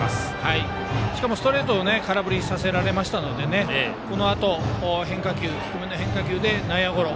しかもストレートを空振りさせられましたのでこのあと低めの変化球で内野ゴロ。